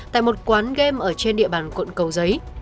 tại một quán game ở trên địa bàn quận cầu giấy